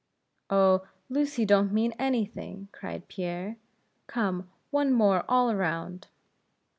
"Oh! Lucy don't mean any thing," cried Pierre "come, one more all round."